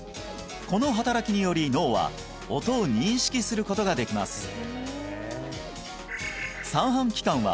この働きにより脳は音を認識することができます